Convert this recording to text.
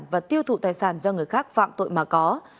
và tiêu thụ tài sản do người khác phạm tội mà có